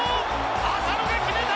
浅野が決めた！